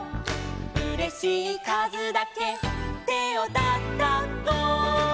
「うれしいかずだけてをたたこ」